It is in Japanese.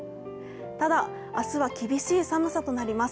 ただ、明日は厳しい寒さとなります